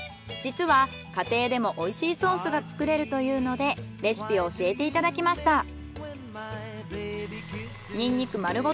実は家庭でもおいしいソースが作れるというのでレシピを教えていただきました。